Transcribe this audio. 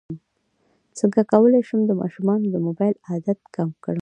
څنګه کولی شم د ماشومانو د موبایل عادت کم کړم